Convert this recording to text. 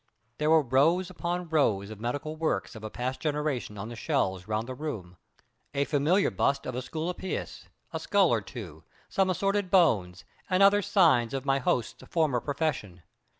There were rows upon rows of medical works of a past generation on the shelves around the room, a familiar bust of Esculapius, a skull or two, some assorted bones and other signs of my host's former profession.